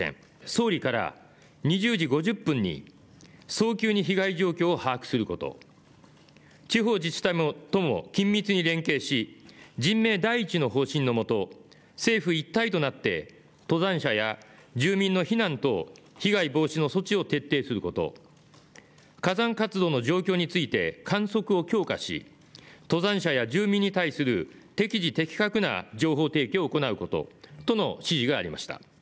総理から２０時５０分に早急に被害状況を把握すること、地方自治体とも緊密に連携し人命第一の方針のもと政府一体となって登山者や住民の避難等被害防止の措置を徹底すること、火山活動の状況について観測を強化し、登山者や住民に対する適時、的確な情報提供を行うこととの指示がありました。